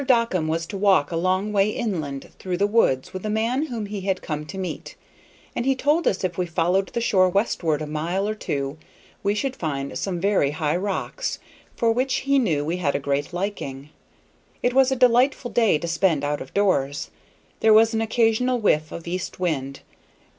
Dockum was to walk a long way inland through the woods with a man whom he had come to meet, and he told us if we followed the shore westward a mile or two we should find some very high rocks, for which he knew we had a great liking. It was a delightful day to spend out of doors; there was an occasional whiff of east wind.